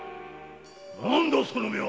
〔何だその目は！〕